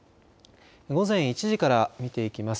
午前１時から見ていきます。